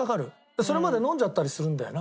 それまで飲んじゃったりするんだよな。